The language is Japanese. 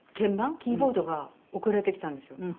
キーボードが送られてきたんですよ。